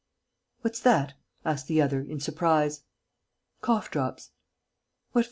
"What's that?" asked the other, in surprise. "Cough drops." "What for?"